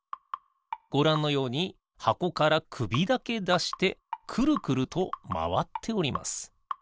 ごらんのようにはこからくびだけだしてくるくるとまわっております。